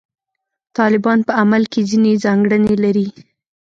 طالبان په عمل کې ځینې ځانګړنې لري.